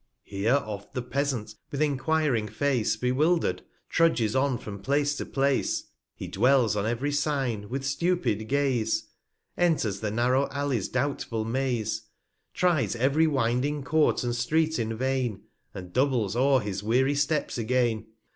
D i8 TRIVIA Here oft the Peasant, with enquiring Face, Bewilder'd, trudges on from Place to Place; He dwells on ev'ry Sign, with stupid Gaze, Enters the narrow Alley's doubtful Maze, 80 Trys ev'ry winding Court and Street in vain, And doubles o'er his weary Steps again.